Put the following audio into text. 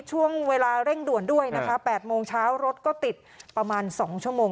ช่วงเวลาเร่งด่วนด้วยนะคะ๘โมงเช้ารถก็ติดประมาณ๒ชั่วโมง